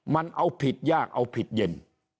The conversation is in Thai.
มันเอาผิดยากเอาผิดเย็น